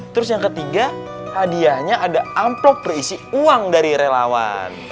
terus yang ketiga hadiahnya ada amplop berisi uang dari relawan